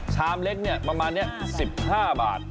ชามเล็กประมาณนี้๑๕บาท